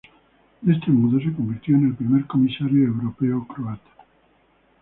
De este modo se convirtió en el primer comisario europeo croata.